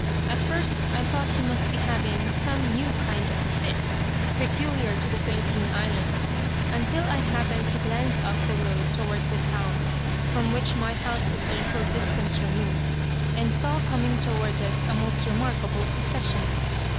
At first I thought he must be having some new kind of a fit, peculiar to the Philippine Islands, until I happened to glance up the road toward the town, from which my house was a little distance removed, and saw coming toward us a most remarkable procession.